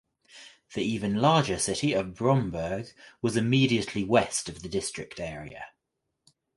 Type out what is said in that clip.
The even larger city of Bromberg was immediately west of the district area.